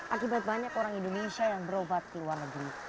akibat banyak orang indonesia yang berobat ke luar negeri